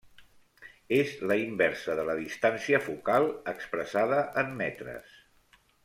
És la inversa de la distància focal expressada en metres.